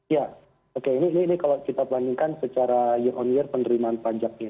ya oke ini kalau kita bandingkan secara year on year penerimaan pajaknya